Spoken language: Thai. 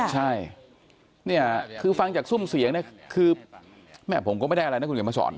ใช่คือฟังจาก